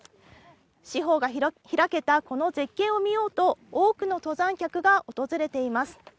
四方が開けたこの絶景を見ようと、多くの登山客が訪れています。